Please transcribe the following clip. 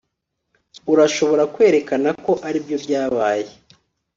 urashobora kwerekana ko aribyo byabaye